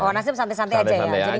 kalau nasdem santai santai aja ya